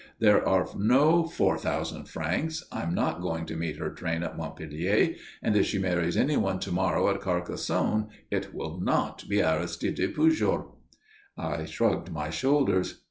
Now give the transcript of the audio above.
There are no four thousand francs. I'm not going to meet her train at Montpellier, and if she marries anyone to morrow at Carcassonne it will not be Aristide Pujol." I shrugged my shoulders.